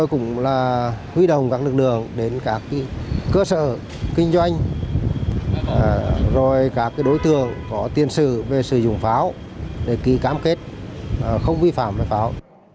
không vi phạm với pháo